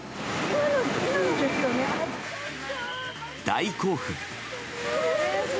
大興奮。